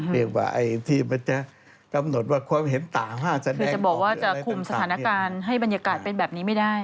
ที่จะบอกว่าจะคุมสถานการณ์ให้บรรยากาลเป็นแบบนี้ไม่ได้